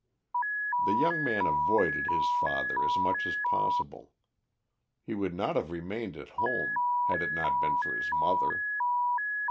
The young man avoided his father as much as possible; he would not have remained at home, had it not been for his mother.